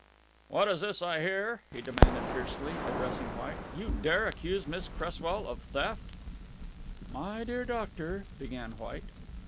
"What is this I hear?" he demanded fiercely, addressing White. "You dare accuse Miss Cresswell of theft?" "My dear doctor," began White.